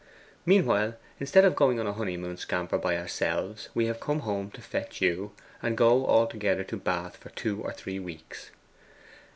Meanwhile, instead of going on a honeymoon scamper by ourselves, we have come home to fetch you, and go all together to Bath for two or three weeks.